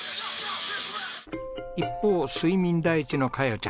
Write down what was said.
一方睡眠第一のカヨちゃん。